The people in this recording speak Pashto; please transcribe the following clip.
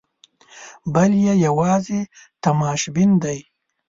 بل یې یوازې تماشبین دی.